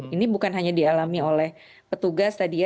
ini bukan hanya dialami oleh petugas tadi ya